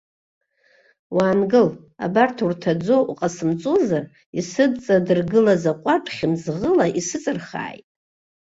Уаангыл, абарҭ урҭаӡо уҟасымҵозар исыҵадыргылаз аҟәардә хьымӡӷыла исыҵырхааит!